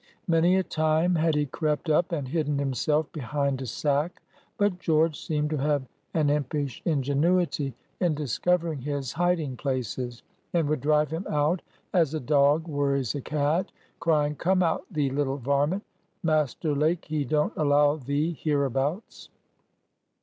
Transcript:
Many a time had he crept up and hidden himself behind a sack; but George seemed to have an impish ingenuity in discovering his hiding places, and would drive him out as a dog worries a cat, crying, "Come out, thee little varment! Master Lake he don't allow thee hereabouts."